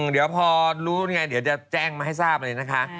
เดี๋ยวพอรู้ไงเดี๋ยวจะแจ้งมาให้ทราบเลยนะคะ